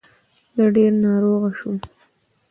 زه ډير ناروغه شوم